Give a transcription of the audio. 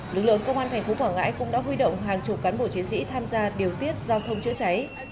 lực lượng công an tp cm cũng đã huy động hàng chục cán bộ chiến sĩ tham gia điều tiết giao thông chữa cháy